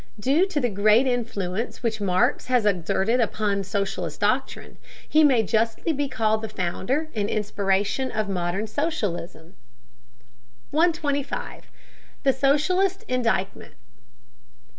Due to the great influence which Marx has exerted upon socialist doctrine, he may justly be called the founder and inspiration of modern socialism. 125. THE SOCIALIST INDICTMENT.